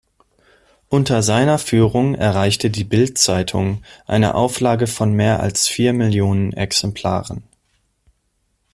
Unter seiner Führung erreichte die Bild-Zeitung eine Auflage von mehr als vier Millionen Exemplaren.